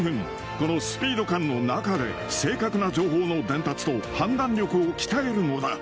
このスピード感の中で、正確な情報の伝達と判断力を鍛えるのだ。